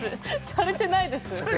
されてないです。